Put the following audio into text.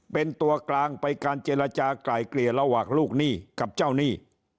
เป็นตัวกลางไปการเจรจากลายเกลี่ยระหว่างลูกหนี้กับเจ้าหนี้